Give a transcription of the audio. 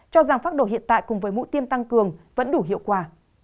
cho rằng phát đổi hiện tại cùng với mũ tiêm tăng cường vẫn đủ hiệu quả